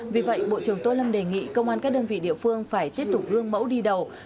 vì vậy bộ trưởng tô lâm đề nghị công an các đơn vị địa phương phải tiếp tục gương mẫu đi đầu